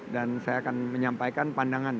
dan saya akan menyampaikan pandangan